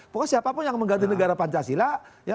pokoknya siapapun yang mengganti negara pancasila